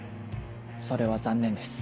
それは残念です。